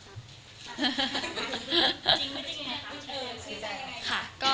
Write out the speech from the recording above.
เออสื่อใจยังไงค่ะ